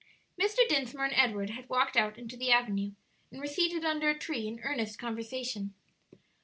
Mr. Dinsmore and Edward had walked out into the avenue, and were seated under a tree in earnest conversation.